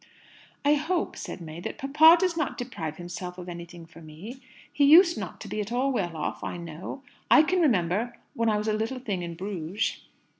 "I hope," said May, "that papa does not deprive himself of anything for me. He used not to be at all well off, I know. I can remember when I was a little thing in Bruges."